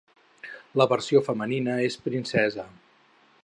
La versió femenina és princesa.